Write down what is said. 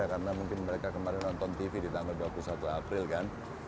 karena mungkin mereka kemarin nonton tv di tanggal dua puluh satu april kan